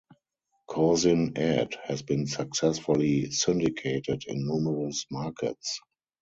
Couzin Ed has been successfully syndicated in numerous markets.